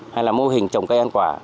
hay là mô hình trồng cây ăn quả